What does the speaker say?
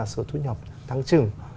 số thu nhập tăng trưởng